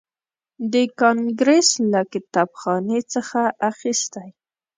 د کانګریس له کتابخانې څخه اخیستی.